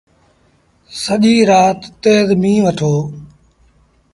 سڄيٚ رآت تيز ميݩهن وٺو۔